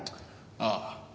ああ。